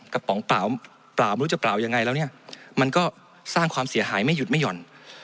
กระป๋องเปล่าไปแล้วสร้างความเสียหายไม่หยุดไม่หย่อน